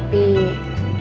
beberapa dasarnya itu gitu